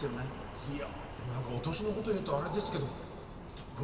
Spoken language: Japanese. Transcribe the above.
でも何かお年のこと言うとあれですけど６０？